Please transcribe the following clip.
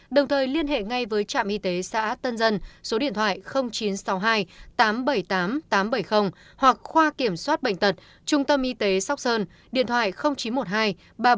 đồng thời liên hệ ngay với trạm y tế xã tân dân số điện thoại chín trăm sáu mươi hai tám trăm bảy mươi tám tám trăm bảy mươi hoặc khoa kiểm soát bệnh tật trung tâm y tế sóc sơn điện thoại chín trăm một mươi hai ba trăm sáu mươi